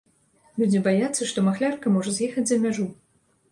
Людзі баяцца, што махлярка можа з'ехаць за мяжу.